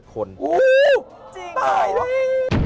จริงหรอตายดี